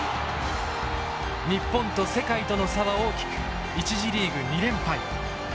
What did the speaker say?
日本と世界との差は大きく１次リーグ２連敗。